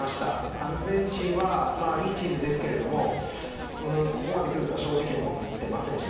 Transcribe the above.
アルゼンチンはいいチームですがここまでくるとは正直、思っていませんでした。